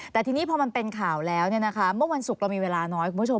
แต่ทีนี้พอมันเป็นข่าวแล้วเมื่อวันศุกร์เรามีเวลาน้อยคุณผู้ชม